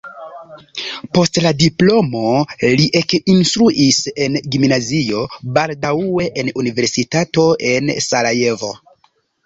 Post la diplomo li ekinstruis en gimnazio, baldaŭe en universitato en Sarajevo.